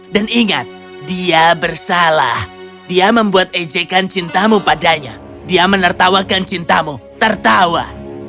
dan ingat dia bersalah dia membuat ejekan cintamu padanya dia menertawakan cintamu tertawa